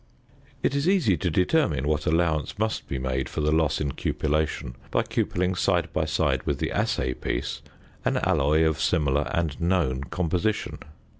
It is easy to determine what allowance must be made for the loss in cupellation by cupelling side by side with the assay piece an alloy of similar and known composition.